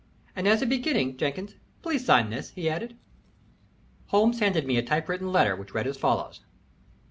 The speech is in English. "And, as a beginning, Jenkins, please sign this," he added. Holmes handed me a typewritten letter which read as follows.